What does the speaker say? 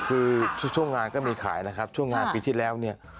คือช่วงงานก็มีขายนะครับช่วงงานปีที่แล้วเนี่ย